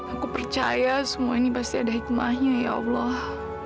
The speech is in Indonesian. aku percaya semua ini pasti ada hikmahnya ya allah